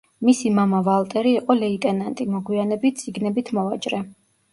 მისი მამა ვალტერი იყო ლეიტენანტი, მოგვიანებით წიგნებით მოვაჭრე.